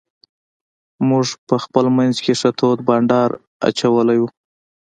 موږ په خپل منځ کې ښه تود بانډار اچولی وو.